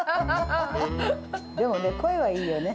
でもね、声はいいよね。